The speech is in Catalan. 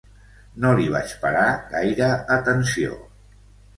No li vaig parar gaire atenció.